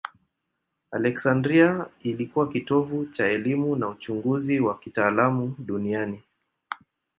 Aleksandria ilikuwa kitovu cha elimu na uchunguzi wa kitaalamu duniani.